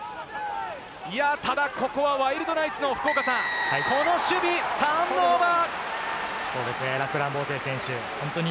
ただ、ここはワイルドナイツの福岡さん、この守備、ターンオーバー。